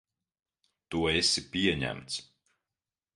Tu esi pieņemts.